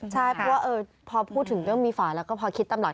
ใช่เพราะว่าพอพูดถึงเรื่องมีฝาแล้วก็พอคิดตลอด